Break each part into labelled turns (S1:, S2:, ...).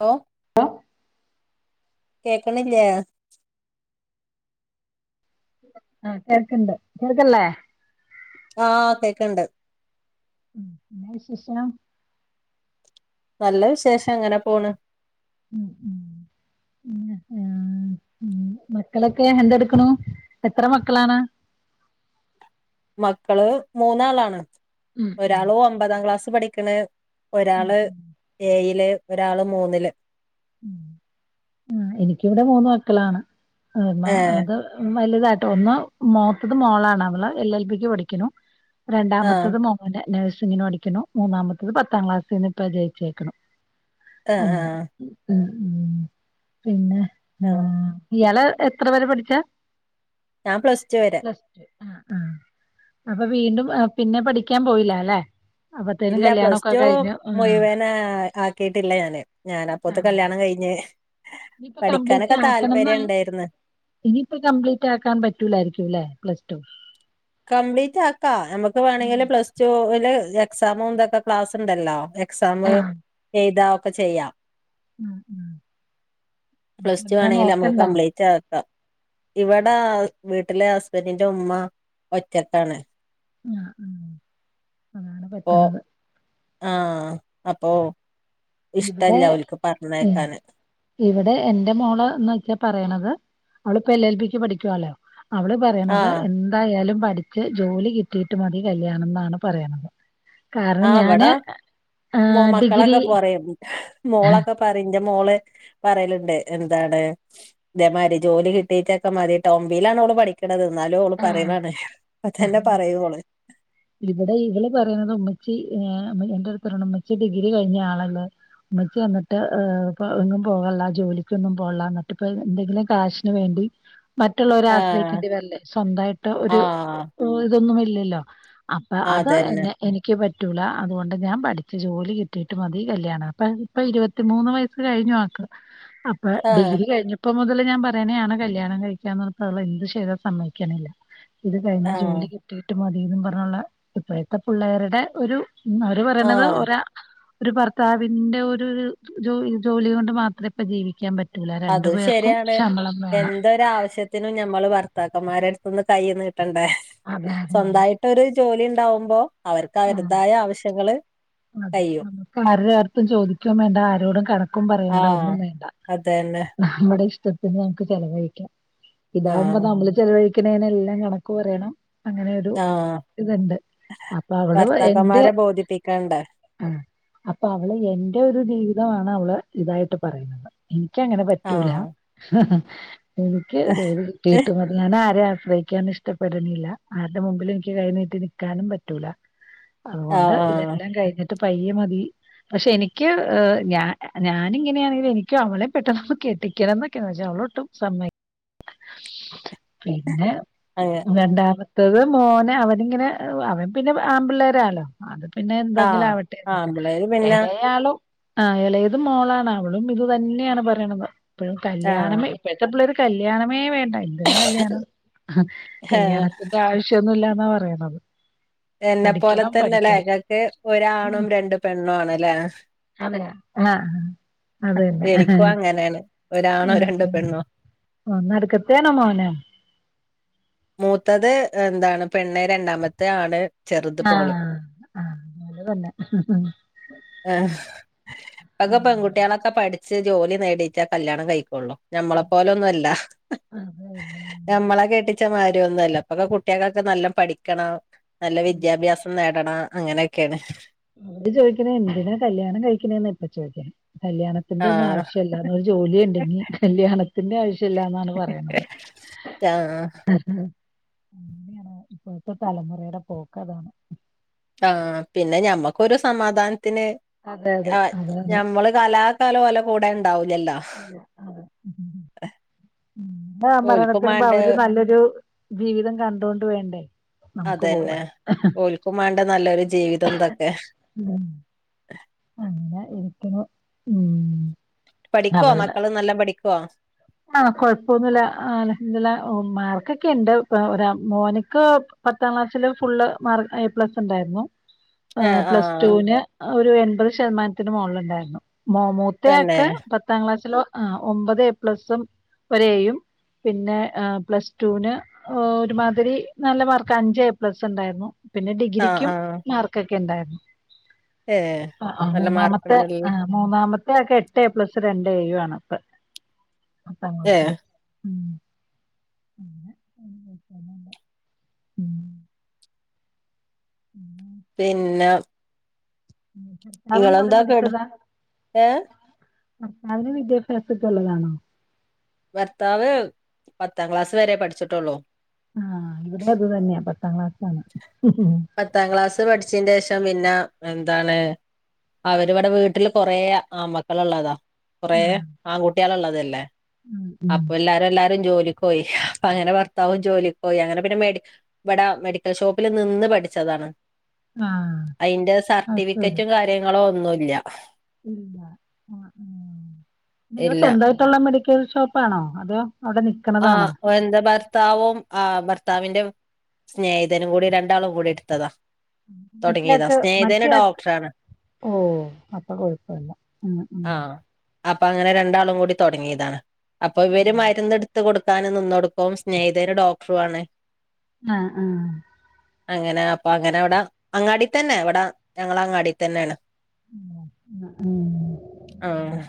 S1: [unintelligible] കേക്കണില്ല
S2: ആ ചെർക്കണ്ട് ചെർക്കല്ലേ
S1: ആഹ കേക്കണ്ട്
S2: [unintelligible]
S1: നല്ല വിശേഷം എങ്ങനെ പോണ്
S2: [unintelligible] മക്കളൊക്കെ എന്തെടുക്കണു എത്ര മക്കളാണ്
S1: മക്കള് മൂന്നാളാണ്
S2: ഉം
S1: ഒരാള് ഒമ്പതാം ക്ലാസ് പഠിക്കണ്
S2: ഉം
S1: ഒരാള് ഏയില് ഒരാള് മൂന്നില്
S2: ആ എനിക്കിവിടെ മൂന്ന് മക്കളാണ്മ്മ
S1: ഏഹ്
S2: അത് വലുതായിട്ട് ഒന്ന് മോത്തത് മോളാണ് അവള് എൽ എൽ പിക്ക് പഠിക്കുന്നു
S1: ആഹ്
S2: രണ്ടാമത്തത് മോന നേഴ്സിങ്ങിന് പഠിക്കണം മൂന്നാമത്തത് പത്താം ക്ലാസ്ൽന്ന് ഇപ്പൊ ജയിച്ചക്കണം
S1: ആഹ ആഹ
S2: ഉ ഉ പിന്നെ അ
S1: ആഹ്
S2: ഇയാൾ എത്ര വരെ പഠിച്ച
S1: ഞാൻ പ്ലസ് ടു വരെ
S2: ആ അപ്പൊ വീണ്ടും പിന്നെ പഠിക്കാൻ പോയില്ല അല്ലെ
S1: ഇല്ല പ്ലസ്ടു മുഴുവനേ ആക്കിട്ടില്ല ഞാന് ഞാനപ്പോത്തെ കല്യാണം കഴിഞ്ഞ്
S2: ഇനിപ്പ കംപ്ലീറ്റ്
S1: പഠിക്കാനൊക്കെ
S2: ആക്കണന്നാ
S1: താല്പര്യം ഉണ്ടായിരുന്നു
S2: ഇനിയിപ്പ കംപ്ലീറ്റാക്കാൻ പറ്റൂലായിരിക്കുലെ പ്ലസ്ടു.
S1: കംപ്ലീറ്റാക്കാ നമക്ക് വേണെങ്കില്
S2: ആഹ്
S1: പ്ലസ്ടു എ ല് എക്സാമ് ന്തൊക്കെ ക്ലാസ്ണ്ടല്ലോ എക്സാമ് എയ്താ ഒക്കെ ചെയ്യാം
S2: ഉം ഉം
S1: പ്ലസ്ടു ആണെങ്കില് അമ്ക്ക് കംപ്ലീറ്റ് ആക്കാ ഇവടെ വീട്ടിലെ ഹസ്ബന്റിന്റെ ഉമ്മ ഒറ്റക്കാണ്
S2: ആ ആ ആണ് പറ്റണത്
S1: ആ അപ്പോ
S2: ഇവിടെ ഏ ഇവിടെ എന്റെ മോള് ന്ന്ച്ചാ പറയണത് അവളിപ്പോ എൽ എൽ ബി ക്ക് പഠിക്കുവാലോ അവള് പറയണത്
S1: ആഹ്
S2: എന്തായാലും പറ്റ് ടിച്ച് ജോലി കിട്ടീട്ട് മതി കല്യാണം ന്നാണ് പറയണത്. കാരണം
S1: ആഹ്
S2: ഞാന്
S1: ഇവിടെ
S2: അ ആ ഡിഗ്രി
S1: മോളക്ക പറയും ന്റെ മോള് പറയല്ണ്ട് എന്താണ് ഇതേമാരി ജോലി കിട്ടീട്ടക്കെ മതിട്ടോ ഒമ്പയില [unintelligible] പഠിക്ക [unintelligible] [unintelligible] ന്നാലു ഓള്
S2: ആഹ്
S1: പറേണാണെ പ്പതന്നെ പറയൂ ഓള്.
S2: ച്ചി [unintelligible] എന്റെ അടുത്തിര്ണമ്മച്ചി ഡിഗ്രി കഴിഞ്ഞ ആളല്ലേ മ്മച്ചി എന്നിട്ട് ഇപ്പ എങ്ങും പോകൾള്ള ജോലിക്കൊന്നും പോൾള്ള എന്നിട്ട് ഇപ്പ എന്തെങ്കിലും കാശിന് വേ [unintelligible] മറ്റുള്ളവരെ
S1: ആഹ്
S2: ആശ്രയിക്കേണ്ടി വരില്ലേ സ്വന്തായിട്ട് ഒരു
S1: ആഹ്
S2: ങ് ഇതൊന്നും ഇല്ലല്ലോ അപ്പൊ അത്
S1: അതന്നെ
S2: എന്നെ എനിക്ക് പറ്റ് റ്റൂലാ അതുകൊണ്ട് ഞാൻ പഠിച്ച് ജോലി കിട്ടിയിട്ട് മതി കല്ല്യാണം അപ്പ ഇപ്പൊ ഇരുപത്തിമൂന്ന് വയസ് കഴിഞ്ഞു ആക്ക് [unintelligible] അപ്പൊ
S1: ആഹ്
S2: ഡിഗ്രി കഴിഞ്ഞപ്പോ മുതല് ഞാൻ പറയനെയാണ് കല്ല്യാണം കഴിക്കാന്നോർത്ത് അവള് എന്ത് ചെയ്താ സമ്മ ക്കണില്ല ഇത് കഴിഞ്ഞ്
S1: ആഹ്
S2: ജോലി കിട്ടിയിട്ട് മത് [unintelligible] പറഞ്ഞുണ്ട ഇപ്പോഴത്തെ പിള്ളേര്ടെ ഒരു മ് അവര് പറേണത്
S1: ആഹ്
S2: ഒരാ ഒരു ഭർത്താവിന്റെ ഒരുരു [unintelligible] ജോല് ജോലി കൊണ്ട് മാത്രേപ്പ ജീവിക്കാൻ പറ്റ്
S1: അത് ശരിയാണ് എന്തൊരാവശ്യത്തിനും ഞമ്മള് ഭർത്താക്കന്മാര്ട്ത്ത്ന്ന് കൈനീട്ട് ട്ടണ്ടേ
S2: അതെ അതെ
S1: സ്വന്തായിട്ടൊരു ജോലി ണ്ടാവുമ്പോ അവർക്ക് അവരുതായ ആവശ്യങ്ങള്
S2: ആ [unintelligible]
S1: കഴിയും
S2: നമുക്ക് ആര്ടടുത്തും ചോദിക്കും വേണ്ട ആരോടും കടോ നക്കും പറയണ്ട
S1: ആഹ്
S2: ഒന്നും വേണ്ട
S1: അതന്നെ
S2: നമ്മുടെ ഇഷ്ടത്തിന് നമുക്ക് ചെലവഴിക്കാം ഇതാവുമ്പോ
S1: ആഹ്
S2: നമ്മള് ചെലവഴിക്കണേനെല്ലാം കണക്ക് പറയണം അങ്ങനൊരു
S1: ആഹ്
S2: ഇതുണ്ട് അപ്പൊ അവള് [unintelligible] എന്റെ
S1: ഭർത്താക്കന്മാരെ ബോധിപ്പിക്കണ്ടേ
S2: ആ അപ്പൊ അവള് എന്റെ ഒരു ജീവിതമാണ് അവള് ഇതായിട്ട് പറയുന്നത് ഇ ക്കങ്ങനെ പറ്റൂലാ
S1: ആഹ്
S2: ഹ് ഹ് എനിക്ക് ജോലി കിട്ടീട്ട് മതി ഞാനാരാ ശ്രയിക്കാൻ ഇഷ്ടപ്പെടണില്ല ആരുടെ മുമ്പിൽ എനിക്ക് കൈനീട്ടി നിക്കാനും പറ്റൂലാ
S1: ആഹ്
S2: അതുകൊണ്ട് ഇതെ
S1: ആഹ്
S2: എന്നിട്ട് പയ്യെ മതി പക്ഷെ എനിക്ക് ങ് ഞാ അ ഞാനിങ്ങനെ ആണെങ്കിലും എനിക്ക് അവളെ പെട്ടെന്നൊന്ന് കെട്ടിക്കണംന്നൊക്കെയാ പക്ഷെ അവ് അവളൊട്ടും സമ്മയ് [unintelligible] പിന്നെ
S1: അങ്ങ
S2: രണ്ടാമത്തത് മോനേ അവനിങ്ങനെ ഒആ അവൻ പിന്നെ അ ആമ്പിള്ളേരാലോ അത് പിന്നെ എന്തെങ്കിലും
S1: ആഹ്
S2: ആവട്ടെന്നെക്കാം
S1: ആമ്പിള്ളേര് പിന്നെ
S2: എളേയാളും ആ എളേത് മോളാണ് അവളും ഇത് തന്നെയാണ് പറയണത് ഇപ്പോഴും
S1: ആഹ്
S2: കല്യാണമേ ഇപ്പോഴത്തെ പിള്ളേര് ക് കല്യാണമേ വേണ്ടാ എന്തിനാ കല്യാണം ഹ്
S1: ഏഹ്
S2: കല്യാണത്തിന്റെ ആവശ്യം ഒന്നുല്ല ന്നാ പറയണത്
S1: എന്നെ പോലെ
S2: പഠിക്കണം
S1: തന്നെല്ലേ
S2: പഠിക്കണം
S1: [unintelligible] ഒരാണും രണ്ട് പെണ്ണും ആണല്ലേ
S2: അതെയാ ആഹ് അത് തന്നെ
S1: എനിക്കും അങ്ങനെയാണ്- ഒരാണോ രണ്ടോ പെണ്ണോ
S2: നടുക്കത്തെ ആണോ മോൻ
S1: മൂത്തത് എന്താണ് പെണ്ണെ- രണ്ടാമത്തെ ആണ് ചെറുത്
S2: ആഹ ആ് [unintelligible]
S1: ആ ഇപ്പൊ പെൺകുട്ടികളൊക്കെ [unintelligible] ജോലി നേടയിട്ടാ കല്യാണം കഴിക്കൊുള്ളു ഞമ്മളെ പോലൊന്നുമല്ല
S2: അതെ
S1: ഞമ്മളെ [unintelligible] കാര്യം ഒന്നുംഅല്ല ഇപ്പൊക്കെ കുട്ടികൾകൊക്കെ നല്ലം പഠിക്കണം നല്ലം വിദ്യാഭ്യാസം നേടണം അങ്ങനെയൊക്കെയാണ്
S2: അവര് ചോദിക്കണ എന്തിനാ കല്യാണം കഴിക്കണന്ന് ഇപ്പ ചോദ്യം കല്യാണ ത്തിന്റെ ഒന്നും
S1: ആഹ്
S2: ആവശ്യല്ല ഒരു ജോലി ഉണ്ടെങ്കി കല്യാണത്തിന്റെ ആവശ്യം ഇല്ലന്നാണ് പറയുന്നത്
S1: ആഹ്
S2: അങ്ങെനെയാണ് ഇപ്പോഴത്തെ തലമുറയുടെ പോക്ക് അതാണ്
S1: ആ പിന്നെ ഞമ്മക്കൊരു സമാധാന ത്തിന്
S2: അതെ അതെ
S1: ആഹ്
S2: അതാണ്
S1: ഞമ്മള് കലാകാലം ഓലെ കൂടെ ഉണ്ടാവൂലല്ലോ
S2: ഇല്ല ആഹ്
S1: ഓൽക്കും
S2: [unintelligible]
S1: വേണ്ടേ
S2: അവര് നല്ലൊരു ജീവിതം കണ്ടൊണ്ട് വേണ്ടേ നമുക്ക്
S1: അതന്നെ
S2: പോവാൻ
S1: ഓൽക്കും വേണ്ടേ നല്ലൊരു ജീവിതം ന്തൊക്കെ
S2: ഇപ്പം ഉം
S1: പഠിക്കോ
S2: അവളുടെ
S1: മക്കള് നല്ലം പഠിക്കോ
S2: ആ കൊഴപ്പൊന്നുമില്ല അൽഹംദുലില്ലാഹ് മാർക്കൊക്കെ ഉണ്ട് ഒരാക് മോനിക്ക് പത്താം ക്ലാസ്സില് ഫുള്ള് മാർക്ക് എ പ്ലസ് ഉണ്ടായിരുന്നു
S1: ഏഹ്
S2: പ്ലസ്
S1: ആഹ്
S2: ടുവിന് ഒരു എൺപത് ശതമാനത്തിന് മുകളിൽണ്ടായിരുന്നു മോ മൂത്ത ആൾക്
S1: തന്നെ
S2: പത്താം ക്ലാസ്സില് ഒമ്പത് എ പ്ലസും ഒരു ഏ യും പിന്നെ പ്ലസ്റ്റുന് ഒരുമാതിരി നല്ല മാർക്ക് അഞ്ചേ പ്ലസ് ഉണ്ടായിരുന്നു പിന്നെ
S1: ആഹ്
S2: ഡിഗ്രിക്കും
S1: ആഹ്
S2: മാർക്കൊക്കെ ഇണ്ടായിരുന്നു
S1: ഏഹ്
S2: ആ
S1: നല്ല
S2: മൂന്നാമത്തെ ആ
S1: മാർക്ക്ണ്ടല്ലേ
S2: മൂന്നാമത്തെ ത്തെ ആൾക്ക് എട്ട് എ പ്ലസ് രണ്ട് ഏ യും ഇപ്പ പത്താം
S1: ഏഹ്
S2: ക്ലാസ്സിൽ [inaudible] [inaudible]
S1: പിന്നെ
S2: [unintelligible]
S1: ഇങ്ങളെന്താ കെട്
S2: പഠിച്ചതാ
S1: ഏഹ്
S2: അതിന് വിദ്യാഭ്യാസൊക്കെ ഉള്ളതാണോ
S1: ഭർത്താവ്- പത്താം ക്ലാസ് വരെ പഠിച്ചിട്ടുള്ളൂ
S2: ആഹ് ഇവിടെ അത് തന്നെയ
S1: പത്താം ക്ലാസ് പഠിച്ചിന്റെ ശേ ഷം പിന്നെ എന്താണ് അവരിവിടെ വീട്ടില് കൊറേ ആൺമക്കള് ഉള്ളതാ കുറേ
S2: ആഹ്
S1: ആൺകുട്ടികള് ഉള്ളതല്ലേ
S2: ഉം ഉം
S1: അപ്പൊ എല്ലാരും എല്ലാരും ജോലി ക്ക് പോയി അങ്ങനെ ഭർത്താവും ജോലിക്ക് പോയി അങ്ങനെ പിന്നെ മെടി ഇവിട മെഡി ക്കൽ ഷോപ്പിൽ നിന്ന് പഠിച്ചതാണ്
S2: ആഹ്
S1: അതിന്റെ
S2: അത് ശരി
S1: സർട്ടിഫിക്കറ്റ് കാര്യങ്ങളോ ഒന്നും ഇല്ല
S2: ഇല്ല ആ- നിങ്ങൾ
S1: ഇല്ല
S2: സ്വന്തമായിട്ടുള്ള മെഡിക്കൽ ഷോപ്പാണോ അതോ അവിടെ നി
S1: ആഹ് [unintelligible] ഭർത്താവും ആ ഭർത്താവിന്റെ- സ്നേഹിതനും കൂടി രണ്ടാളും കൂടി എടുത്തതാ തുടങ്ങിയതാ സ്നേഹിതന് ഡോക്ടറണ്
S2: ഓ അപ്പൊ കൊഴപ്പമില്ല ഉം ഉം
S1: ആഹ് അപ്പൊ അങ്ങനെ രണ്ടാളും കൂടി തുടങ്ങിയതാണ് അപ്പൊ ഇവര് മരുന്ന് എടുത്ത് കൊടുക്കാനും നിന്നോടുക്കും സ്നേഹിതനൊരു ഡോക്ടറും ആണ്
S2: ആ ആ
S1: അങ്ങന അപ്പ അങ്ങന അവിട അങ്ങാടി തന്നെ ഇവിട ഞങ്ങള് അങ്ങാടി തന്നേണ്
S2: ഉം
S1: ആഹ്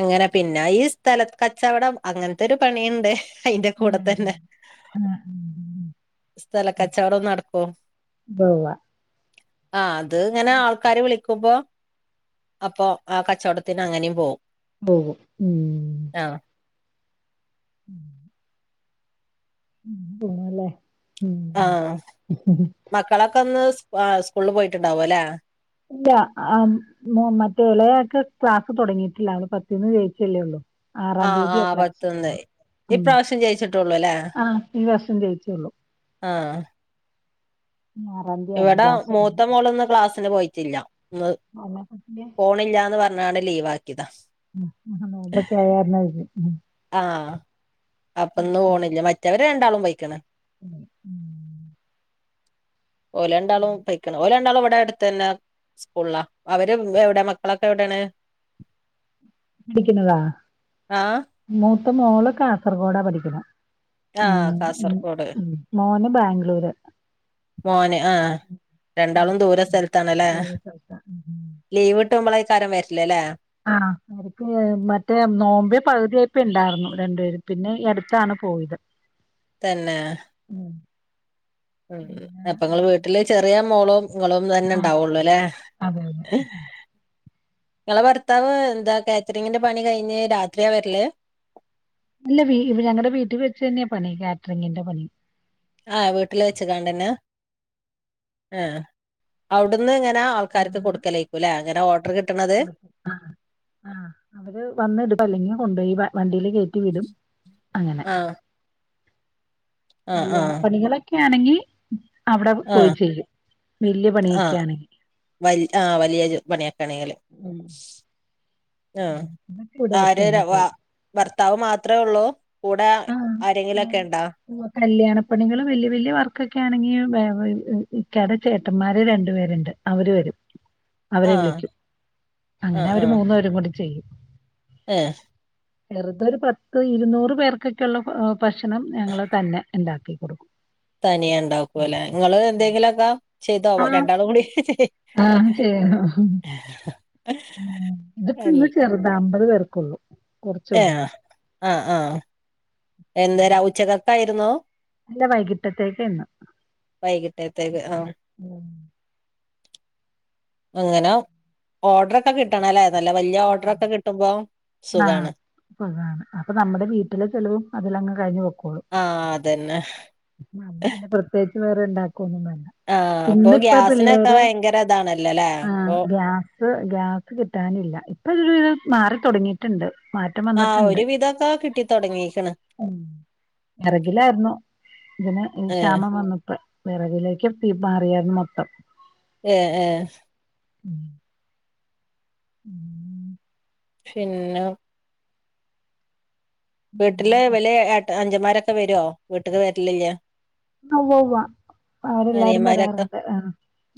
S1: അങ്ങന പിന്ന ഈ സ്ഥലത്ത് കച്ചവടം അങ്ങനത്തെ ഒരു പണിയിണ്ട് അയിന്റെ
S2: ആഹ്
S1: കൂടത്തന്നെ
S2: ആഹ്
S1: സ്ഥലക്കച്ചവടോം നടക്കോ
S2: ഉവ്വ ഉവ്വ
S1: ആ അത് ഇങ്ങന ആൾക്കാരും വിളിക്കുമ്പോ അപ്പൊ ആ കച്ചവടത്തിന് അങ്ങനേം പോകും
S2: പോകും [inaudible] ഉ പോണേല്ലേ
S1: ആ മക്കളൊക്കിന്ന് സ് ആ സ്കൂളില് പോയിട്ടുണ്ടാവോല്ലേ
S2: ഇല്ല ആ മോ മറ്റേ ഇളയ ആക്ക് ക്ലാസ് തൊടങ്ങീട്ടില്ല അത് പത്തീന്ന് ജയിച്ചല്ലേ ഉള്ളൂ ആറാം
S1: ആഹ്
S2: തീയതി എ
S1: ആഹ് പത്തൊന്ന്
S2: ക്ലാസ്സെല്ലണം ഉം
S1: ഇപ്രാവശ്യം ജയിച്ചിട്ടുള്ളൂ അല്ലേ
S2: ആ ഈ വർഷം ജയിച്ചേള്ളൂ
S1: ആ
S2: ആറാം തീയതി ആവണം
S1: ഇവിടെ
S2: ക്ലാസ് തുടങ്ങാൻ.
S1: മൂത്ത മോളൊന്ന് ക്ലാസ്സിന് പോയിട്ടില്ല മ്
S2: അല്ല
S1: ഫോണില്ലാന്ന് പറ അന്നാണ് ലീവാ
S2: മു മുഹ് മുമ്പൊക്കേയർന്ന്
S1: ആ അപ്പന്നപോണില്ല മറ്റവര് രണ്ടാളും പോയിക്കണ്
S2: ഉം ഉം
S1: ഓലണ്ടാളും പയിക്കണ് ഓലാണ്ടാളും പ ഇവിട അടുത്തന്നെ സ്കൂള് ളാ അവര് എ എവിടെ മക്കളൊക്കെ എവിടേണ്
S2: പഠിക്കുന്നതാ മൂത്ത മോള് കാസർഗോഡാ പഠിക്കുന്ന
S1: ആ കാസർഗോഡ്
S2: മോന് ബാംഗ്ലൂര്.
S1: മോന് ആ ആ
S2: ഉം.
S1: രണ്ടാളും ദൂരെ സ്ഥലത്താണല്ലേ
S2: വേറെ സ്ഥലത്താ.
S1: ലീവ് ഇട്ട് മ്പളേക്കാരും വരില്ലല്ലേ
S2: ആ ഓ മറ്റേ നോമ്പേ പകുതിയായപ്പ ഇണ്ടാർന്നു രണ്ടേരും പിന്നെ ഈ അടുത്താണ് പോയത്
S1: തന്നെ
S2: ഉം
S1: ഉം
S2: പിന്നെ
S1: അപ്പങ്ങള് വീട്ടില് ചെറിയ മോളോ നിങ്ങളും തന്നെ
S2: ആ
S1: ഉണ്ടാവോള്ളുല്ലേ
S2: മാത്രം. അതെ അതെ
S1: ഹ് നിങ്ങളെ ഭർത്താവ് എന്താ കാറ്ററിങ്ങിന്റെ പണി കഴിഞ്ഞ് രാത്രിയാ വരല്
S2: ഇല്ല വീ ഞങ്ങടെ വീട്ടിൽ വെച്ച് തന്നെയാ പണി കാറ്ററിങ്ങിന്റെ പണി
S1: ആ വീട്ടിൽ വെച്ച് കണ്ടന്നെ ആ അവിടന്ന് ങ്ങ നാ ആൾക്കാര്ക്ക് കൊടുക്കലേക്കൂല്ലേ അങ്ങനെ ഓർഡറ് കിട്ടണത്
S2: ആ അവര് വന്ന എടുക്കുംഅല്ലെങ്കില് കൊണ്ടോയി വ വണ്ടീല് കേറ്റി വിടും അങ്ങനെ
S1: ആ ആ ആ
S2: കല്യാണ പണികളൊക്കെ ആണെങ്കി അവട
S1: ആ
S2: പോയി ചെയ്യും വല്യ പണിയെക്കെ ആണെങ്കില്
S1: വല് ആ വലിയ ജോ പണിയെക്കാണെങ്കില്
S2: ഉം.
S1: ആ
S2: അതൊക്കെ ഇവിടെ വെച്ച്
S1: ആര് ര
S2: തന്നെ
S1: വ
S2: ചെയ്യും
S1: ഭർത്താവ് മാ അത്രേ ഒള്ളോ കൂടെ ആ ആരെങ്കിലൊക്കെ എണ്ടാ
S2: പ്പണികള് വല്യ വല്യ വർക്കൊക്കെ ആണെങ്കി വേ വ ഇക്കാടെ ചേട്ടമ്മാര് രണ്ട് പേര്ണ്ട് അവര് വരും
S1: ആ
S2: അവരെ വിളിക്കും
S1: ആ
S2: അങ്ങനെ അവര് മൂന്നേരും കൂടി ചെയ്യും
S1: ആ
S2: വെറുതൊരു പത്ത് ഇരുന്നൂറ് പേർ ക്ക്ക്കുള്ള ഭ ഭക്ഷണം ഞങ്ങള് തന്നെ എണ്ടാക്കി കൊടുക്കും
S1: തനിയെ എണ്ടാക്കുവല്ലെ ഇങ്ങള് എന്തെങ്കിലൊക്കാ ചെയ്തോവാ
S2: ആഹ്
S1: രണ്ടാളും കൂടി ഹ്ഹ് ഹീ
S2: [unintelligible] ഇതിപ്പ ഇന്ന് ചെറുത അമ്പത് പേർക്കുള്ളൂ.
S1: ഏ
S2: കുറച്ചുള്ളൂ ഇന്ന്.
S1: ആ ആ. എന്തരാ ഉച്ചകത്തായിരുന്നോ?
S2: അല്ല വൈകിട്ടത്തേക്ക്‌യെന്നു.
S1: വൈകിട്ടത്തേക്ക് ആ
S2: ഉം.
S1: അങ്ങനെ ഓർഡർൊക്കെ കിട്ടണല്ലേ. നല്ല വല്ല്യ ഓർഡർൊക്കെ കിട്ടുമ്പോ സുഖണ്.
S2: [unintelligible] അപ്പൊ നമ്മുടെ വീട്ടിലെ ചെലവും അതിലങ്ങ് കഴിഞ്ഞ്
S1: ആഹ് അതന്നെ
S2: പ്രത്യേകിച്ച് വേറെ ഉണ്ടാക്കൊന്നും വേണ്ട.
S1: ആഹ് അപ്പൊ
S2: ഇന്നിപ്പ
S1: ഗ്യാസിനൊക്കെ
S2: പിള്ളേര്
S1: ഭയങ്കര ഇതാണല്ലോല്ലേ
S2: ആ
S1: അപ്പൊ
S2: ഗ്യാസ് ഗ്യാസ് കിട്ടാനെ [unintelligible] രു മാറി തൊടങ്ങിട്ടുണ്ട്. മാറ്റം
S1: ആഹ്
S2: വന്നിട്ടുണ്ട്
S1: ഒരു വിധൊക്കെ കിട്ടിത്തൊടങ്ങീക്ക്ണ്
S2: വെറകിലായിരുന്നു. ഇതിന്
S1: ഏഹ്
S2: ക്ഷാമം വന്നപ്പ വിറകിലേക്ക് തീ മാറിയാന്ന് മൊത്തം.
S1: ഏ ഏ.
S2: ഉം. ഉം.
S1: പിന്ന. വീട്ടിലെ വലെ ഏട്ടാ അഞ്ചന്മാരൊക്കെ വരോ വീട്ടക്ക് വരലില്ല.
S2: ഉവ്വ വ്വാ അവരെല്ലാരും
S1: അനിയന്മാരൊക്കെ
S2: വരാറുണ്ട് ആ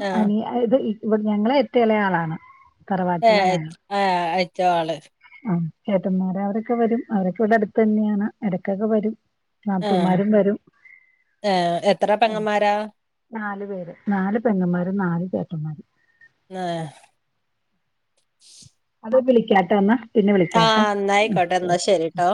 S1: ആഹ്
S2: അനിയ എത് ഈ ഞങ്ങളെ ഏറ്റെ എള ആളാണ്.
S1: എ
S2: തറവാട്ടിലാ
S1: ആ അയച്ച ആള്.
S2: ആ ചേട്ടന്മാർ അവരൊക്കെ വരും അവരൊക്കെ ഇവിടെ അടുത്തെ ന്നെയാണ്. എടയ്ക്കൊക്കെ വരും. നാത്തുന്മാരും വരും.
S1: എ എത്ര പെങ്ങമ്മാരാ?
S2: നാല് പേര്, നാല് പെങ്ങന്മാരും നാല് ചേട്ടന്മാരും.
S1: എ.
S2: ഞാൻ വിളിക്കാട്ടോ ന്നാ പിന്നെ വിളിക്കാട്ടോ.
S1: ആഹ് എന്നായിക്കോട്ടെ
S2: ഉം.
S1: എന്നാ ശരിട്ടോ